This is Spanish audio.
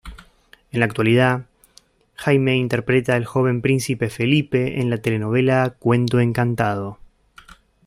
En la actualidad, Jayme interpreta el joven "Príncipe Felipe" en la telenovela "Cuento encantado".